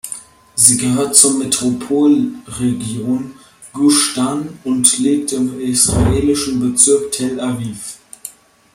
Sie gehört zur Metropolregion Gusch Dan und liegt im israelischen Bezirk Tel Aviv.